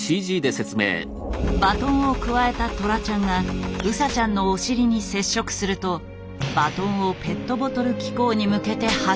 バトンをくわえたトラちゃんがウサちゃんのお尻に接触するとバトンをペットボトル機構に向けて発射。